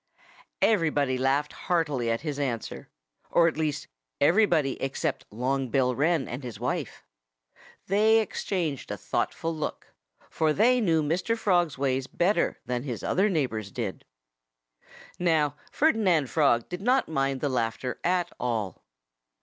Everybody laughed heartily at his answer; or at least, everybody except Long Bill Wren and his wife. They exchanged a thoughtful look. For they knew Mr. Frog's ways better than his other neighbors did. Now, Ferdinand Frog did not mind the laughter at all.